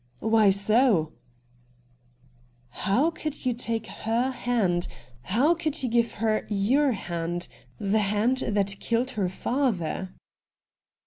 ' Why so ?'' How could you take her hand — how could you give her your hand — the hand that killed her father